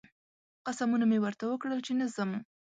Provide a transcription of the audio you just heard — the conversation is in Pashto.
قسمونه مې ورته وکړل چې نه ځم